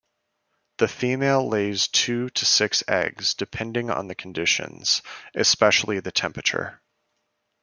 The female lays two to six eggs, depending on the conditions, especially the temperature.